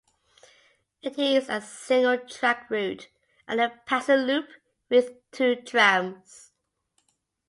It is a single track route and a passing loop, with two trams.